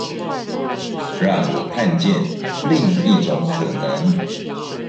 讓我看見另一種可能